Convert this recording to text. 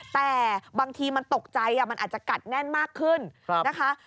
แต่บางทีมันตกใจมันอาจจะกัดแน่นมากขึ้นนะคะ